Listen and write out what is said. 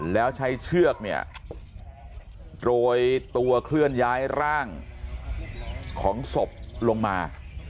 แล้วใช้เชือกเนี่ยโรยตัวเคลื่อนย้ายร่างของศพลงมา